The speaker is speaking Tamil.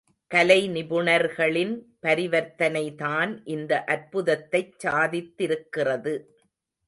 கலை நிபுணர்களின் பரிவர்த்தனைதான் இந்த அற்புதத்தைச் சாதித்திருக்கிறது.